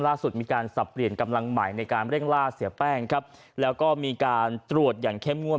ล่าสุดมีการสับเปลี่ยนกำลังใหม่ในการเร่งล่าเสียแป้งครับแล้วก็มีการตรวจอย่างเข้มงวด